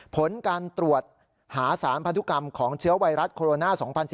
ผลการตรวจหาสารพันธุกรรมของเชื้อไวรัสโคโรนา๒๐๑๙